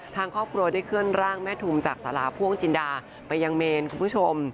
ทางครอบครัวได้เคลื่อนร่างแม่ทุมจากสาราพ่วงจินดาไปยังเมนคุณผู้ชม